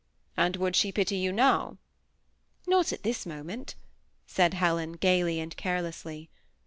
And would she pity you now ?"" Not at this moment," said Helen, gayly and care lessly.